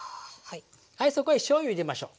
はいそこへしょうゆ入れましょう。